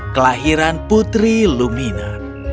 kelahiran putri lumina